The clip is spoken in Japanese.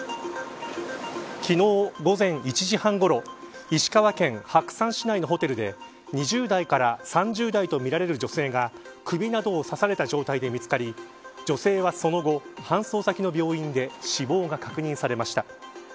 昨日午前１時半ごろ石川県白山市内のホテルで２０代から３０代とみられる女性が首などを刺された状態で見つかり女性はその後搬送先の病院で死亡が確認されました。